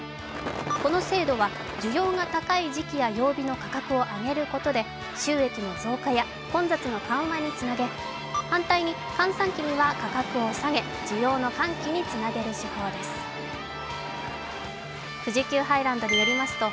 この制度は需要が高い時期や曜日の価格を上げることで収益の増加や混雑の緩和につなげ、反対に閑散期には価格を下げ需要の喚起につなげるものです。